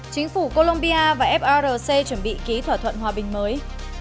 chính phủ colombia và frc chuẩn bị ký thỏa thuận hòa bình mới